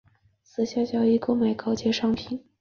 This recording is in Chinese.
私下交易购买高阶商品